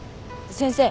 先生。